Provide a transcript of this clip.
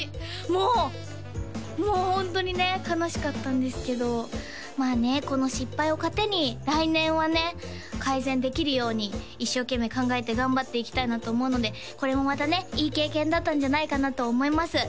もうもうホントにね悲しかったんですけどまあねこの失敗を糧に来年はね改善できるように一生懸命考えて頑張っていきたいなと思うのでこれもまたねいい経験だったんじゃないかなと思います